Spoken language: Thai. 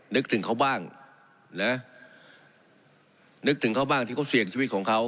นึกถึงเขาบ้างนะนึกถึงเขาบ้างที่เขาเสี่ยงชีวิตของเขา